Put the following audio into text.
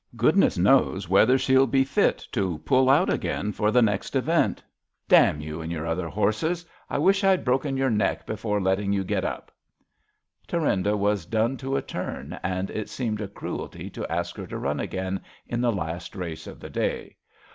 Goodness knows whether she'll be fit to pull out again for the last event. D — ^n you and your other horses I I wish I'd broken your neck before letting you get up! " Thurinda was done to a turn, and it seemed a cruelty to ask her to run again in the last race of the day.